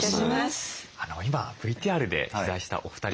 今ＶＴＲで取材したお二人はですね